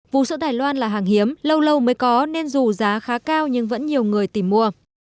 vũ sữa đài loan là hàng hiếm lâu lâu mới có nên dù giá khá cao nhưng vẫn nhiều người tìm mua